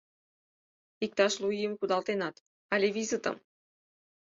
Иктаж лу ийым кудалтенат, але визытым.